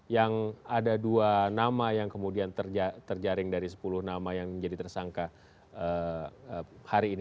yang ada dua nama yang kemudian terjaring dari sepuluh nama yang menjadi tersangka hari ini